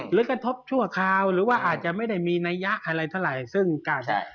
หรือกระทบชั่วคราวหรือว่าอาจจะไม่ได้มีนัยยะอะไรเท่าไร